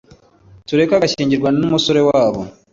tureka ugashyingirwana n’umusore wabo